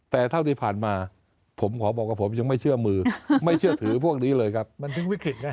แต่เท่าที่ผ่านมาผมขอบอกว่าผมยังไม่เชื่อมือไม่เชื่อถือพวกนี้เลยครับมันถึงวิกฤตไง